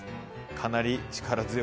かなり力強く。